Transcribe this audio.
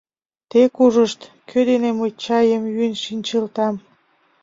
Тек ужышт, кӧ дене мый чайым йӱын шинчылтам!